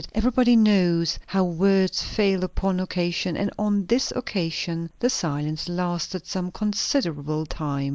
Everybody knows how words fail upon occasion; and on this occasion the silence lasted some considerable time.